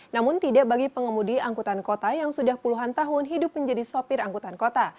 namun tidak bagi pengemudi angkutan kota yang sudah puluhan tahun hidup menjadi sopir angkutan kota